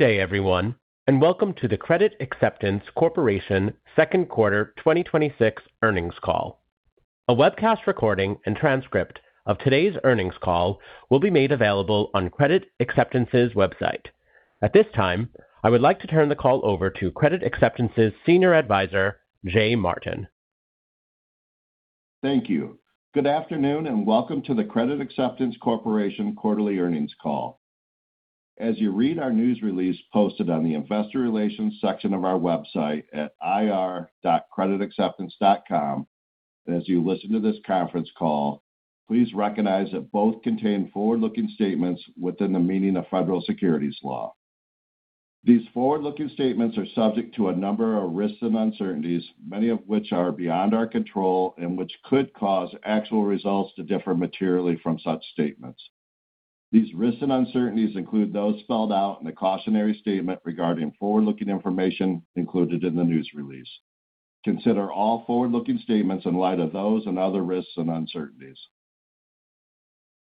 Good day, everyone. Welcome to the Credit Acceptance Corporation Second Quarter 2026 Earnings Call. A webcast recording and transcript of today's earnings call will be made available on Credit Acceptance's website. At this time, I would like to turn the call over to Credit Acceptance's Senior Advisor, Jay Martin. Thank you. Good afternoon. Welcome to the Credit Acceptance Corporation quarterly earnings call. As you read our news release posted on the investor relations section of our website at ir.creditacceptance.com, as you listen to this conference call, please recognize that both contain forward-looking statements within the meaning of federal securities law. These forward-looking statements are subject to a number of risks and uncertainties, many of which are beyond our control and which could cause actual results to differ materially from such statements. These risks and uncertainties include those spelled out in the cautionary statement regarding forward-looking information included in the news release. Consider all forward-looking statements in light of those and other risks and uncertainties.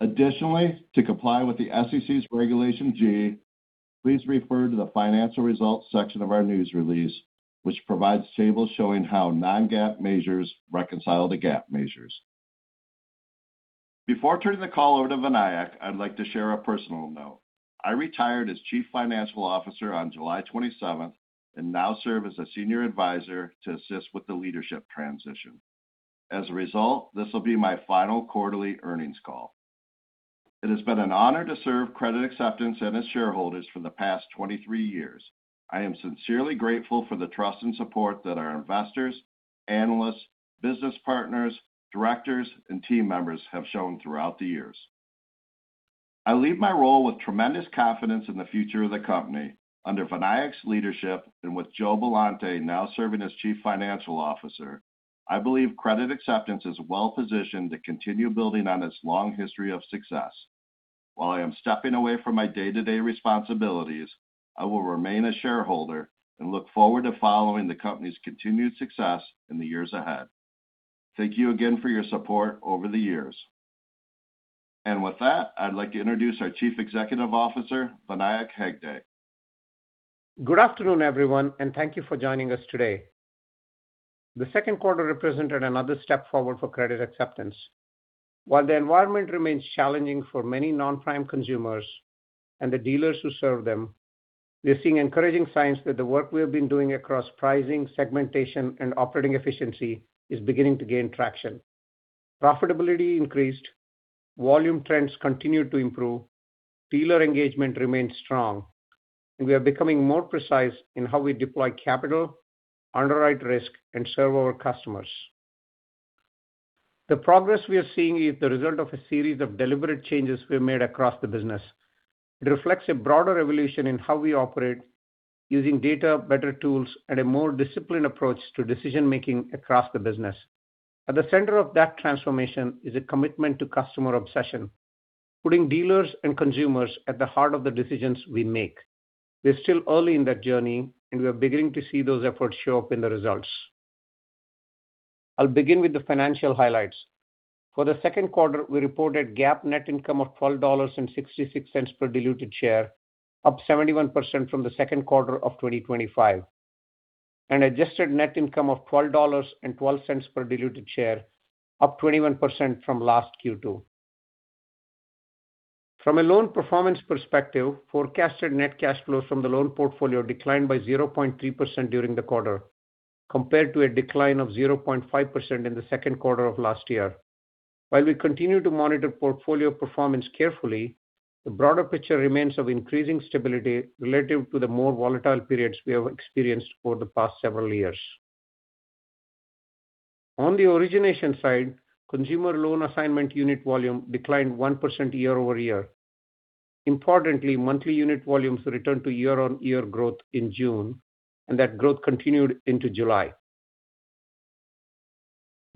Additionally, to comply with the SEC's Regulation G, please refer to the financial results section of our news release, which provides tables showing how non-GAAP measures reconcile to GAAP measures. Before turning the call over to Vinayak, I'd like to share a personal note. I retired as chief financial officer on July 27th and now serve as a senior advisor to assist with the leadership transition. As a result, this will be my final quarterly earnings call. It has been an honor to serve Credit Acceptance and its shareholders for the past 23 years. I am sincerely grateful for the trust and support that our investors, analysts, business partners, directors, and team members have shown throughout the years. I leave my role with tremendous confidence in the future of the company. Under Vinayak's leadership and with Joe Billante now serving as chief financial officer, I believe Credit Acceptance is well-positioned to continue building on its long history of success. While I am stepping away from my day-to-day responsibilities, I will remain a shareholder and look forward to following the company's continued success in the years ahead. Thank you again for your support over the years. With that, I'd like to introduce our Chief Executive Officer, Vinayak Hegde. Good afternoon, everyone, and thank you for joining us today. The second quarter represented another step forward for Credit Acceptance. While the environment remains challenging for many non-prime consumers and the dealers who serve them, we are seeing encouraging signs that the work we have been doing across pricing, segmentation, and operating efficiency is beginning to gain traction. Profitability increased, volume trends continued to improve, dealer engagement remains strong, and we are becoming more precise in how we deploy capital, underwrite risk, and serve our customers. The progress we are seeing is the result of a series of deliberate changes we have made across the business. It reflects a broader evolution in how we operate using data, better tools, and a more disciplined approach to decision-making across the business. At the center of that transformation is a commitment to customer obsession, putting dealers and consumers at the heart of the decisions we make. We are still early in that journey, and we are beginning to see those efforts show up in the results. I'll begin with the financial highlights. For the second quarter, we reported GAAP net income of $12.66 per diluted share, up 71% from the second quarter of 2025, and adjusted net income of $12.12 per diluted share, up 21% from last Q2. From a loan performance perspective, forecasted net cash flows from the loan portfolio declined by 0.3% during the quarter, compared to a decline of 0.5% in the second quarter of last year. While we continue to monitor portfolio performance carefully, the broader picture remains of increasing stability relative to the more volatile periods we have experienced over the past several years. On the origination side, consumer loan assignment unit volume declined 1% year-on-year. Importantly, monthly unit volumes returned to year-on-year growth in June, and that growth continued into July.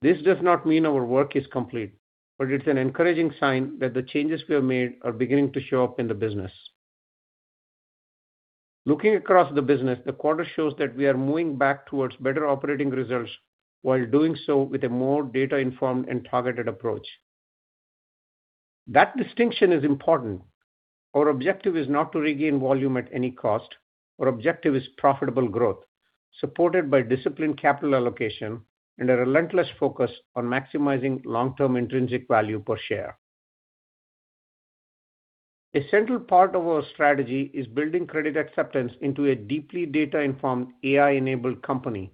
This does not mean our work is complete, but it's an encouraging sign that the changes we have made are beginning to show up in the business. Looking across the business, the quarter shows that we are moving back towards better operating results while doing so with a more data-informed and targeted approach. That distinction is important. Our objective is not to regain volume at any cost. Our objective is profitable growth, supported by disciplined capital allocation and a relentless focus on maximizing long-term intrinsic value per share. A central part of our strategy is building Credit Acceptance into a deeply data-informed, AI-enabled company.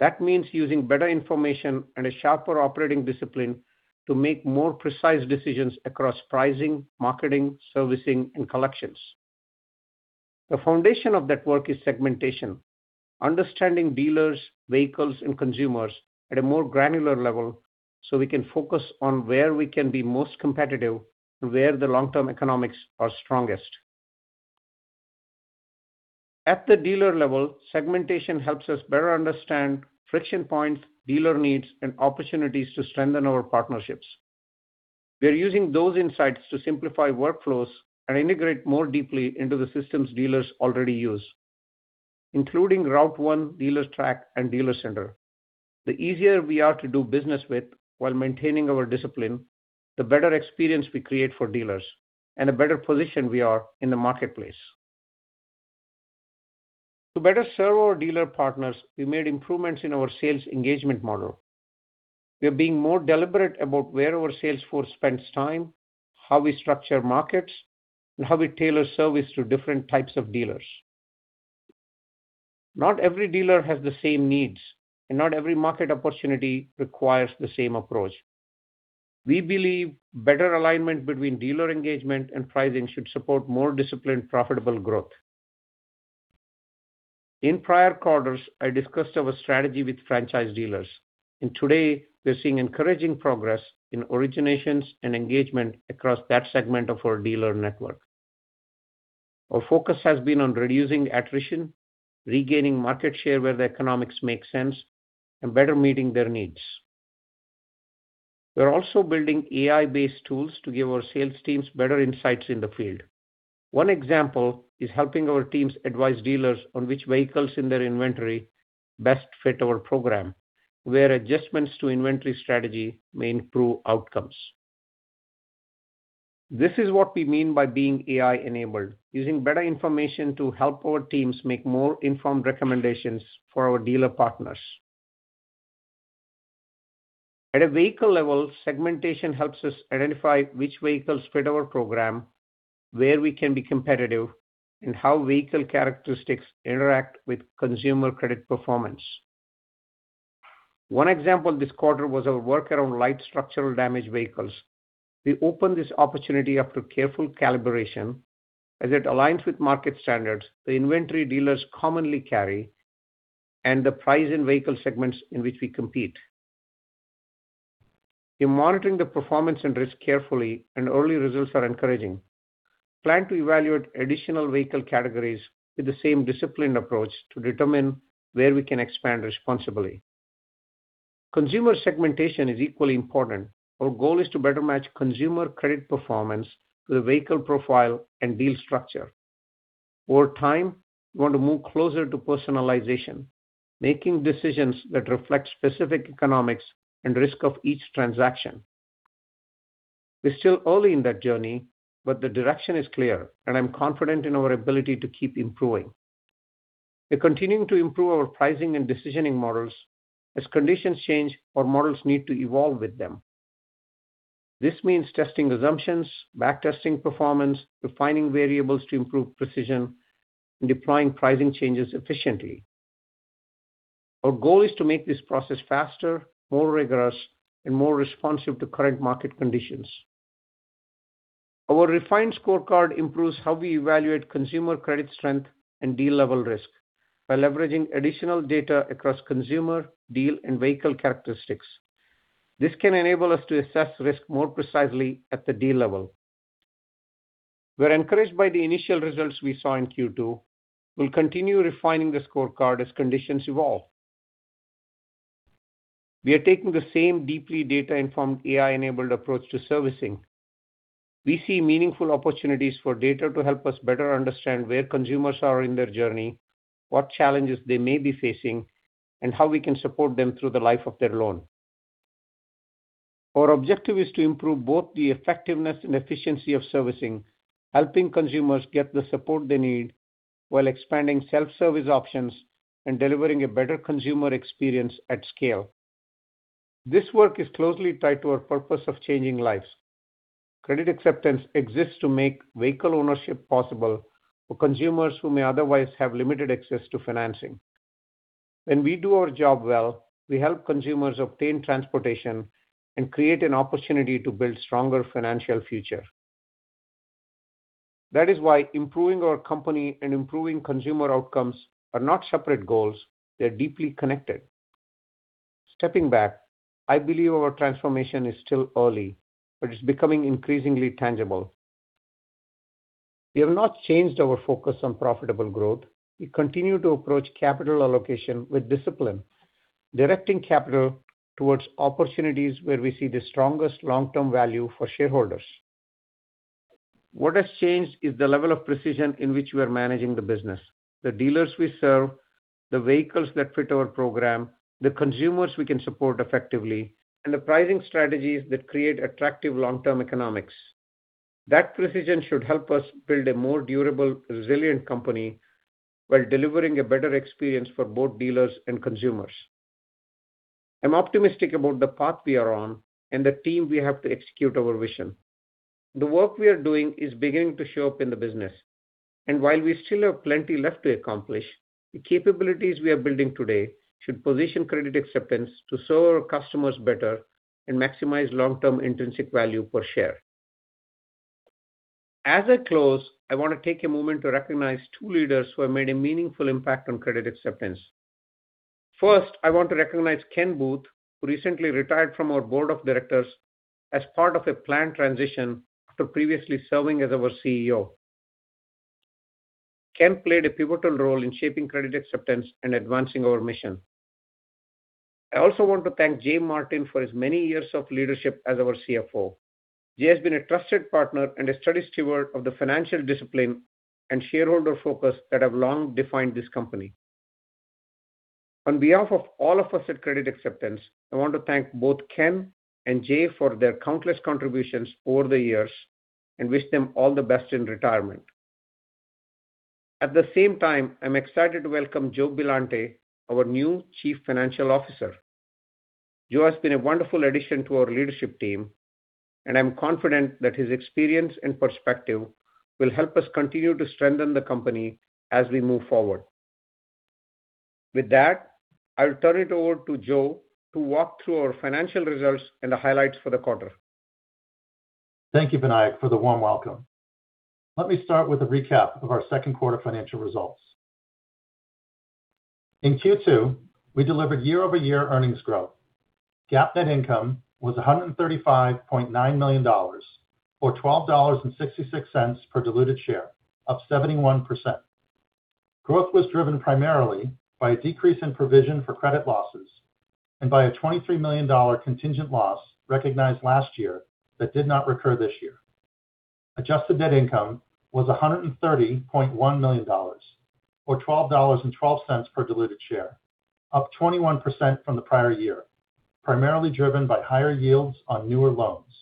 That means using better information and a sharper operating discipline to make more precise decisions across pricing, marketing, servicing, and collections. The foundation of that work is segmentation, understanding dealers, vehicles, and consumers at a more granular level so we can focus on where we can be most competitive and where the long-term economics are strongest. At the dealer level, segmentation helps us better understand friction points, dealer needs, and opportunities to strengthen our partnerships. We are using those insights to simplify workflows and integrate more deeply into the systems dealers already use including RouteOne, Dealertrack, and DealerCenter. The easier we are to do business with while maintaining our discipline, the better experience we create for dealers and a better position we are in the marketplace. To better serve our dealer partners, we made improvements in our sales engagement model. We are being more deliberate about where our sales force spends time, how we structure markets, and how we tailor service to different types of dealers. Not every dealer has the same needs, and not every market opportunity requires the same approach. We believe better alignment between dealer engagement and pricing should support more disciplined, profitable growth. In prior quarters, I discussed our strategy with franchise dealers, and today we are seeing encouraging progress in originations and engagement across that segment of our dealer network. Our focus has been on reducing attrition, regaining market share where the economics make sense, and better meeting their needs. We're also building AI-based tools to give our sales teams better insights in the field. One example is helping our teams advise dealers on which vehicles in their inventory best fit our program, where adjustments to inventory strategy may improve outcomes. This is what we mean by being AI-enabled, using better information to help our teams make more informed recommendations for our dealer partners. At a vehicle level, segmentation helps us identify which vehicles fit our program, where we can be competitive, and how vehicle characteristics interact with consumer credit performance. One example this quarter was our work around light structural damage vehicles. We opened this opportunity after careful calibration, as it aligns with market standards, the inventory dealers commonly carry, and the price and vehicle segments in which we compete. We're monitoring the performance and risk carefully, and early results are encouraging. Plan to evaluate additional vehicle categories with the same disciplined approach to determine where we can expand responsibly. Consumer segmentation is equally important. Our goal is to better match consumer credit performance to the vehicle profile and deal structure. Over time, we want to move closer to personalization, making decisions that reflect specific economics and risk of each transaction. We're still early in that journey, but the direction is clear, and I'm confident in our ability to keep improving. We're continuing to improve our pricing and decisioning models. As conditions change, our models need to evolve with them. This means testing assumptions, back-testing performance, refining variables to improve precision, and deploying pricing changes efficiently. Our goal is to make this process faster, more rigorous, and more responsive to current market conditions. Our refined scorecard improves how we evaluate consumer credit strength and deal-level risk by leveraging additional data across consumer, deal, and vehicle characteristics. This can enable us to assess risk more precisely at the deal level. We're encouraged by the initial results we saw in Q2. We'll continue refining the scorecard as conditions evolve. We are taking the same deeply data-informed, AI-enabled approach to servicing. We see meaningful opportunities for data to help us better understand where consumers are in their journey, what challenges they may be facing, and how we can support them through the life of their loan. Our objective is to improve both the effectiveness and efficiency of servicing, helping consumers get the support they need while expanding self-service options and delivering a better consumer experience at scale. This work is closely tied to our purpose of changing lives. Credit Acceptance exists to make vehicle ownership possible for consumers who may otherwise have limited access to financing. When we do our job well, we help consumers obtain transportation and create an opportunity to build stronger financial future. That is why improving our company and improving consumer outcomes are not separate goals. They are deeply connected. Stepping back, I believe our transformation is still early, but it's becoming increasingly tangible. We have not changed our focus on profitable growth. We continue to approach capital allocation with discipline, directing capital towards opportunities where we see the strongest long-term value for shareholders. What has changed is the level of precision in which we are managing the business, the dealers we serve, the vehicles that fit our program, the consumers we can support effectively, and the pricing strategies that create attractive long-term economics. That precision should help us build a more durable, resilient company while delivering a better experience for both dealers and consumers. I'm optimistic about the path we are on and the team we have to execute our vision. The work we are doing is beginning to show up in the business, while we still have plenty left to accomplish, the capabilities we are building today should position Credit Acceptance to serve our customers better and maximize long-term intrinsic value per share. As I close, I want to take a moment to recognize two leaders who have made a meaningful impact on Credit Acceptance. First, I want to recognize Ken Booth, who recently retired from our board of directors as part of a planned transition after previously serving as our CEO. Ken played a pivotal role in shaping Credit Acceptance and advancing our mission. I also want to thank Jay Martin for his many years of leadership as our CFO. Jay has been a trusted partner and a steady steward of the financial discipline and shareholder focus that have long defined this company. On behalf of all of us at Credit Acceptance, I want to thank both Ken and Jay for their countless contributions over the years and wish them all the best in retirement. At the same time, I'm excited to welcome Joe Billante, our new Chief Financial Officer. Joe has been a wonderful addition to our leadership team, and I'm confident that his experience and perspective will help us continue to strengthen the company as we move forward. With that, I'll turn it over to Joe to walk through our financial results and the highlights for the quarter. Thank you, Vinayak, for the warm welcome. Let me start with a recap of our second quarter financial results. In Q2, we delivered year-over-year earnings growth. GAAP net income was $135.9 million, or $12.66 per diluted share, up 71%. Growth was driven primarily by a decrease in provision for credit losses and by a $23 million contingent loss recognized last year that did not recur this year. Adjusted net income was $130.1 million, or $12.12 per diluted share, up 21% from the prior year, primarily driven by higher yields on newer loans.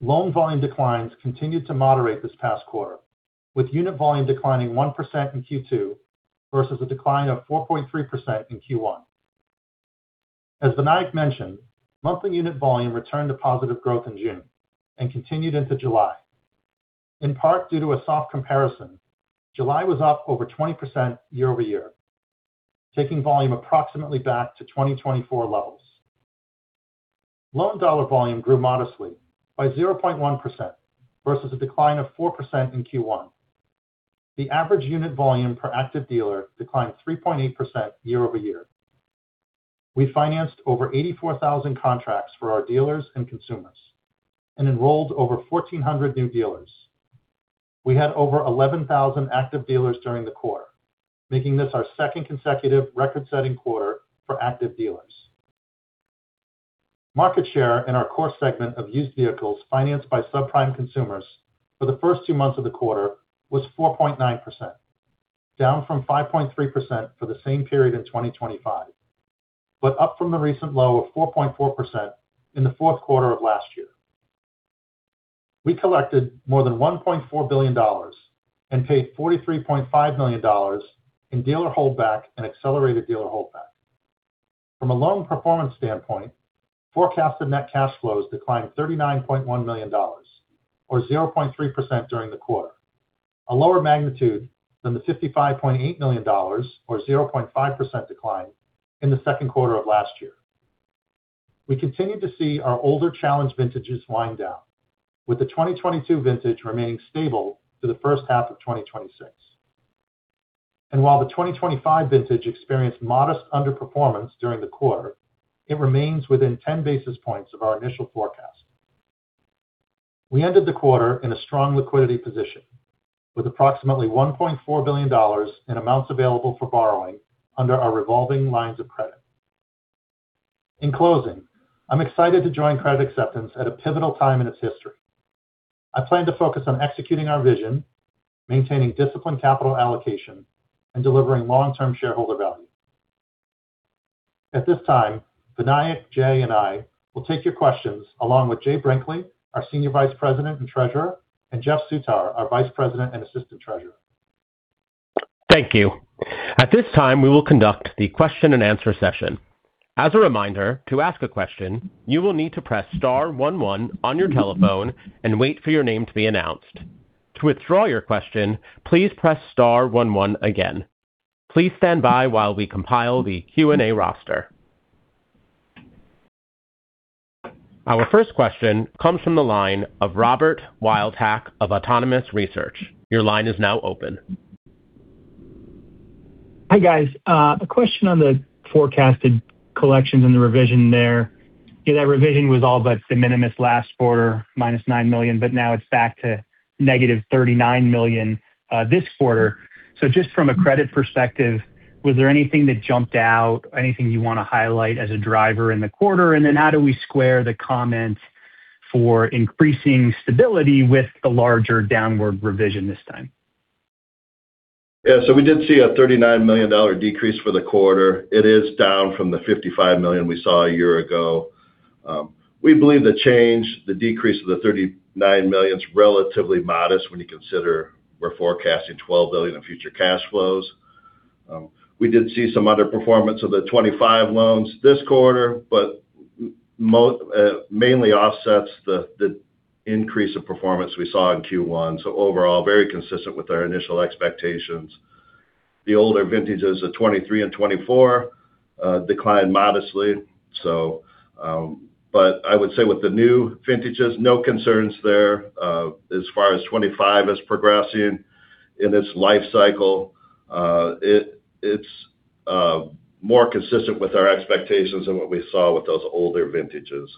Loan volume declines continued to moderate this past quarter, with unit volume declining 1% in Q2 versus a decline of 4.3% in Q1. As Vinayak mentioned, monthly unit volume returned to positive growth in June and continued into July. In part due to a soft comparison, July was up over 20% year-over-year, taking volume approximately back to 2024 levels. Loan dollar volume grew modestly by 0.1%, versus a decline of 4% in Q1. The average unit volume per active dealer declined 3.8% year-over-year. We financed over 84,000 contracts for our dealers and consumers and enrolled over 1,400 new dealers. We had over 11,000 active dealers during the quarter, making this our second consecutive record-setting quarter for active dealers. Market share in our core segment of used vehicles financed by subprime consumers for the first two months of the quarter was 4.9%, down from 5.3% for the same period in 2025, but up from the recent low of 4.4% in the fourth quarter of last year. We collected more than $1.4 billion and paid $43.5 million in dealer holdback and accelerated dealer holdback. From a loan performance standpoint, forecasted net cash flows declined $39.1 million, or 0.3%, during the quarter, a lower magnitude than the $55.8 million, or 0.5% decline in the second quarter of last year. While the 2025 vintage experienced modest underperformance during the quarter, it remains within 10 basis points of our initial forecast. We continued to see our older challenged vintages wind down, with the 2022 vintage remaining stable through the first half of 2026. We ended the quarter in a strong liquidity position with approximately $1.4 billion in amounts available for borrowing under our revolving lines of credit. In closing, I'm excited to join Credit Acceptance at a pivotal time in its history. I plan to focus on executing our vision, maintaining disciplined capital allocation, and delivering long-term shareholder value. At this time, Vinayak, Jay, and I will take your questions along with Jay Brinkley, our Senior Vice President and Treasurer, and Jeff Soutar, our Vice President and Assistant Treasurer. Thank you. At this time, we will conduct the question and answer session. As a reminder, to ask a question, you will need to press star one one on your telephone and wait for your name to be announced. To withdraw your question, please press star one one again. Please stand by while we compile the Q&A roster. Our first question comes from the line of Robert Wildhack of Autonomous Research. Your line is now open. Hi, guys. A question on the forecasted collections and the revision there. That revision was all but de minimis last quarter, -$9 million. Now it is back to -$39 million this quarter. Just from a credit perspective, was there anything that jumped out, anything you want to highlight as a driver in the quarter? How do we square the comments for increasing stability with the larger downward revision this time? We did see a $39 million decrease for the quarter. It is down from the $55 million we saw a year ago. We believe the change, the decrease of the $39 million is relatively modest when you consider we are forecasting $12 billion in future cash flows. We did see some underperformance of the 2025 loans this quarter. Mainly offsets the increase of performance we saw in Q1. Overall, very consistent with our initial expectations. The older vintages of 2023 and 2024 declined modestly. I would say with the new vintages, no concerns there. As far as 2025 is progressing in its life cycle, it is more consistent with our expectations than what we saw with those older vintages.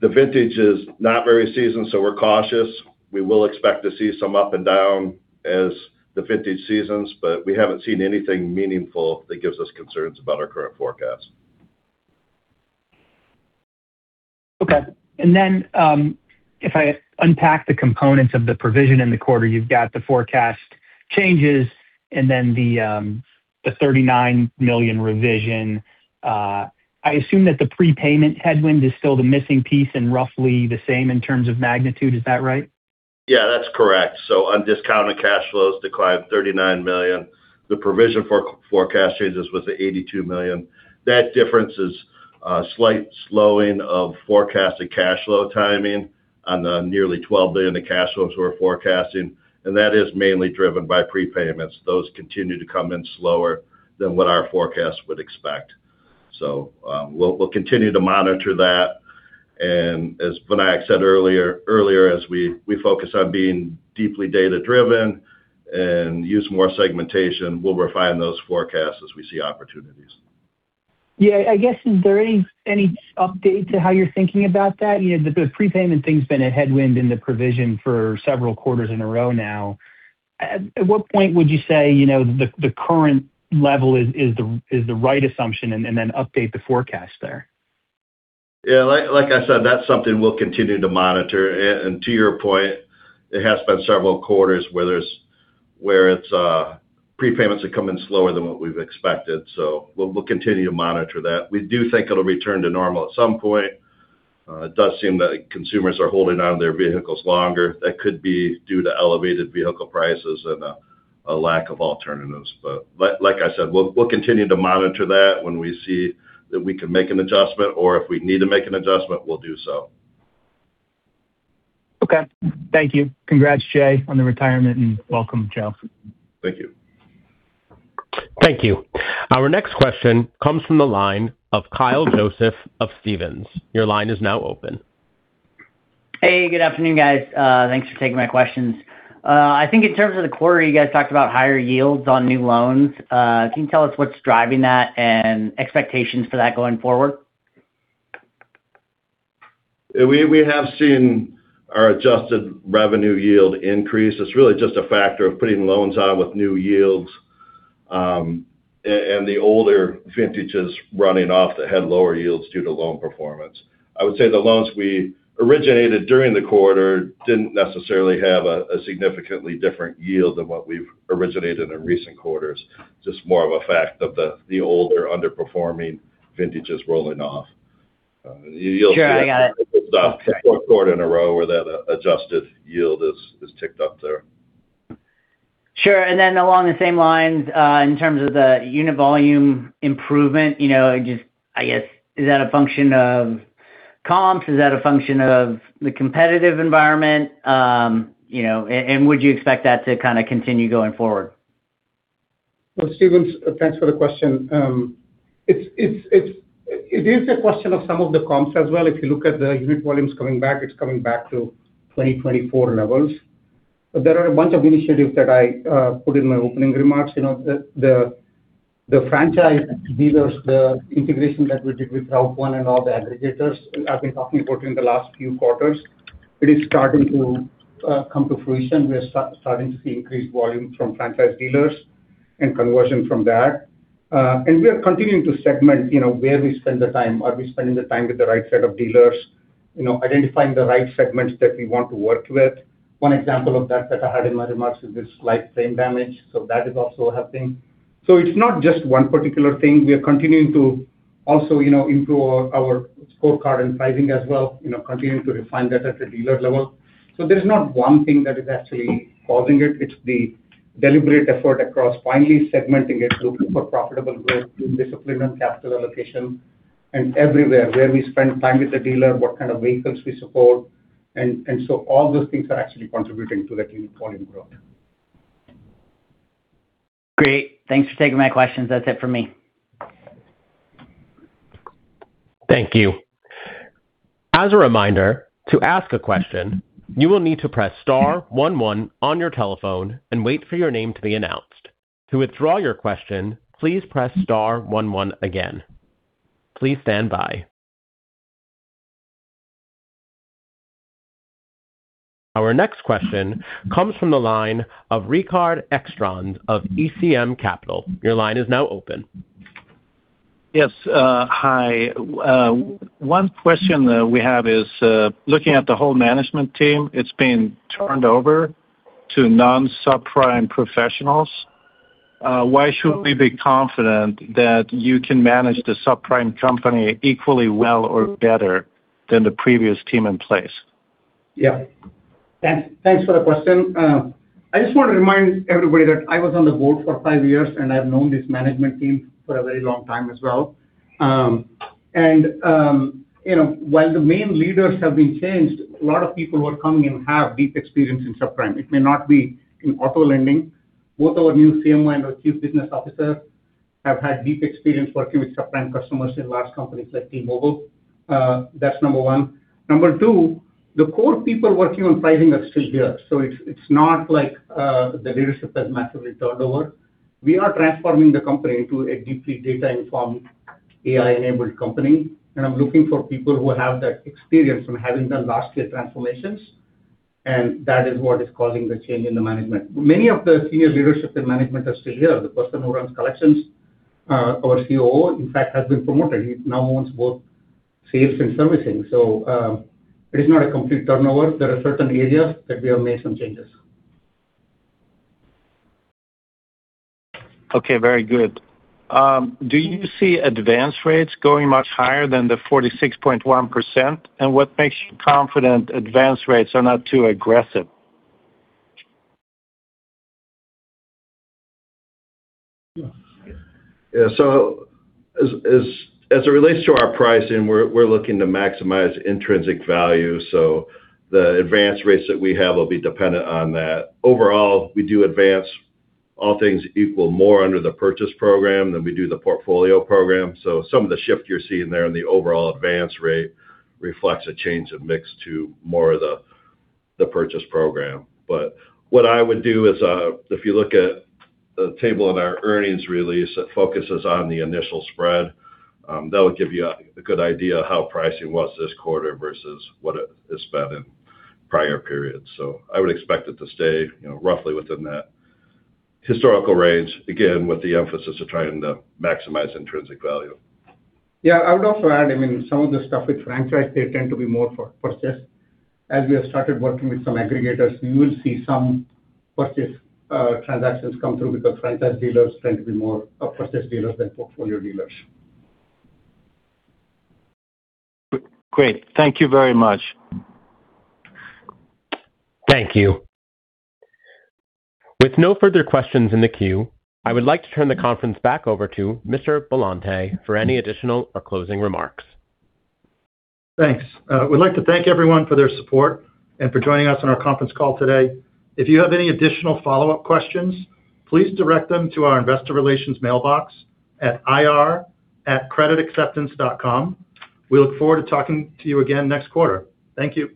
The vintage is not very seasoned, so we are cautious. We will expect to see some up and down as the vintage seasons. We have not seen anything meaningful that gives us concerns about our current forecast. Okay. If I unpack the components of the provision in the quarter, you have got the forecast changes and then the $39 million revision. I assume that the prepayment headwind is still the missing piece and roughly the same in terms of magnitude. Is that right? Yeah, that's correct. On discounted cash flows declined $39 million. The provision for forecast changes was at $82 million. That difference is a slight slowing of forecasted cash flow timing on the nearly $12 billion of cash flows we're forecasting, and that is mainly driven by prepayments. Those continue to come in slower than what our forecast would expect. We'll continue to monitor that, and as Vinayak said earlier, as we focus on being deeply data-driven and use more segmentation, we'll refine those forecasts as we see opportunities. Yeah. I guess, is there any update to how you're thinking about that? The prepayment thing's been a headwind in the provision for several quarters in a row now. At what point would you say the current level is the right assumption and then update the forecast there? Yeah, like I said, that's something we'll continue to monitor. To your point, it has been several quarters where its prepayments are coming slower than what we've expected. We'll continue to monitor that. We do think it'll return to normal at some point. It does seem that consumers are holding onto their vehicles longer. That could be due to elevated vehicle prices and a lack of alternatives. Like I said, we'll continue to monitor that when we see that we can make an adjustment, or if we need to make an adjustment, we'll do so. Okay. Thank you. Congrats, Jay, on the retirement, and welcome, Joe. Thank you. Thank you. Our next question comes from the line of Kyle Joseph of Stephens. Your line is now open. Hey, good afternoon, guys. Thanks for taking my questions. I think in terms of the quarter, you guys talked about higher yields on new loans. Can you tell us what's driving that and expectations for that going forward? We have seen our adjusted revenue yield increase. It's really just a factor of putting loans on with new yields, and the older vintages running off that had lower yields due to loan performance. I would say the loans we originated during the quarter didn't necessarily have a significantly different yield than what we've originated in recent quarters, just more of a fact of the older underperforming vintages rolling off. Sure, I got it. Fourth quarter in a row where that adjusted yield is ticked up there. Sure. Along the same lines, in terms of the unit volume improvement, just I guess, is that a function of comps? Is that a function of the competitive environment? Would you expect that to kind of continue going forward? Well, Joseph, thanks for the question. It is a question of some of the comps as well. If you look at the unit volumes coming back, it's coming back to 2024 levels. There are a bunch of initiatives that I put in my opening remarks. The franchise dealers, the integration that we did with RouteOne and all the aggregators I've been talking about during the last few quarters. It is starting to come to fruition. We're starting to see increased volume from franchise dealers and conversion from that. We are continuing to segment where we spend the time. Are we spending the time with the right set of dealers? Identifying the right segments that we want to work with. One example of that I had in my remarks is the slight frame damage. That is also happening. It's not just one particular thing. We are continuing to also improve our scorecard and pricing as well, continuing to refine that at a dealer level. There's not one thing that is actually causing it. It's the deliberate effort across finely segmenting a group for profitable growth, disciplined capital allocation and everywhere where we spend time with the dealer, what kind of vehicles we support. All those things are actually contributing to that unit volume growth. Great. Thanks for taking my questions. That's it for me. Thank you. As a reminder, to ask a question, you will need to press star one one on your telephone and wait for your name to be announced. To withdraw your question, please press star one one again. Please stand by. Our next question comes from the line of Rikard Ekstrand of ECM Capital. Your line is now open. Yes, hi. One question that we have is, looking at the whole management team, it's been turned over to non-subprime professionals. Why should we be confident that you can manage the subprime company equally well or better than the previous team in place? Thanks for the question. I just want to remind everybody that I was on the board for five years, and I've known this management team for a very long time as well. While the main leaders have been changed, a lot of people who are coming in have deep experience in subprime. It may not be in auto lending. Both our new CMO and our Chief Business Officer have had deep experience working with subprime customers in large companies like T-Mobile. That's number one. Number two, the core people working on pricing are still here. It's not like the leadership has massively turned over. We are transforming the company into a deeply data-informed, AI-enabled company, and I'm looking for people who have that experience from having done large-scale transformations. That is what is causing the change in the management. Many of the senior leadership and management are still here. The person who runs collections, our COO, in fact, has been promoted. He now owns both sales and servicing. It is not a complete turnover. There are certain areas that we have made some changes. Okay. Very good. Do you see advance rates going much higher than the 46.1%? What makes you confident advance rates are not too aggressive? As it relates to our pricing, we're looking to maximize intrinsic value. The advance rates that we have will be dependent on that. Overall, we do advance all things equal more under the Purchase Program than we do the Portfolio Program. Some of the shift you're seeing there in the overall advance rate reflects a change in mix to more of the Purchase Program. What I would do is, if you look at the table in our earnings release that focuses on the initial spread, that would give you a good idea of how pricing was this quarter versus what it has been in prior periods. I would expect it to stay roughly within that historical range, again, with the emphasis of trying to maximize intrinsic value. Yeah, I would also add, some of the stuff with franchise, they tend to be more for purchase. As we have started working with some aggregators, we will see some purchase transactions come through because franchise dealers tend to be more of purchase dealers than portfolio dealers. Great. Thank you very much. Thank you. With no further questions in the queue, I would like to turn the conference back over to Mr. Billante for any additional or closing remarks. Thanks. We'd like to thank everyone for their support and for joining us on our conference call today. If you have any additional follow-up questions, please direct them to our investor relations mailbox at ir@creditacceptance.com. We look forward to talking to you again next quarter. Thank you.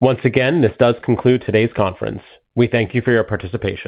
Once again, this does conclude today's conference. We thank you for your participation.